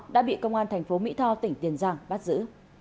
đã bị công an thành phố mỹ tho tỉnh tiền giang bắt giữ